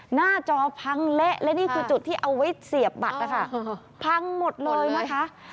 หน้าจอพังเละและนี่คือจุดที่เอาไว้เสียบบัตรนะคะพังหมดเลยนะคะ